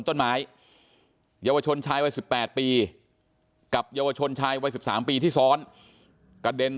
ต้นไม้เยาวชนชายวัย๑๘ปีกับเยาวชนชายวัย๑๓ปีที่ซ้อนกระเด็น